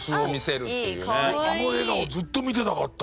あの笑顔ずっと見てたかった。